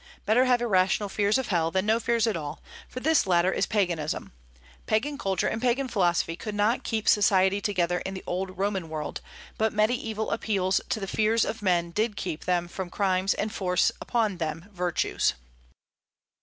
Better have irrational fears of hell than no fears at all, for this latter is Paganism. Pagan culture and Pagan philosophy could not keep society together in the old Roman world; but Mediaeval appeals to the fears of men did keep them from crimes and force upon them virtues.